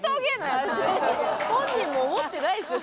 本人も思ってないですよ